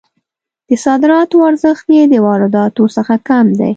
د صادراتو ارزښت یې د وارداتو څخه کم دی.